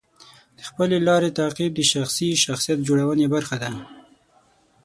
د خپلې لارې تعقیب د شخصي شخصیت جوړونې برخه ده.